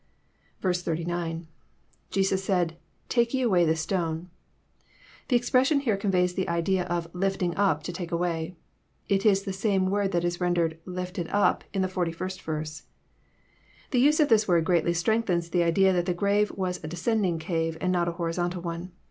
89. — lJe8U8 said. Take ye away the stoneJ] The expression here conveys the idea of '* llfbing up " to take away. It is the same word that is rendered '* lifted up " in 41st verse. The use of this word greatly strengthens the idea that the grave was a descending cave, and not a horizontal one.